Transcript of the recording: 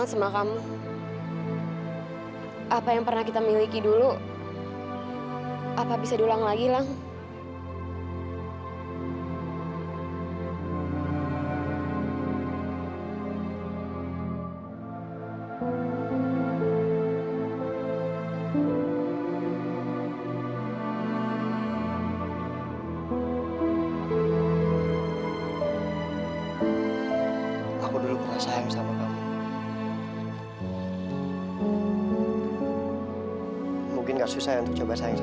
sampai jumpa di video selanjutnya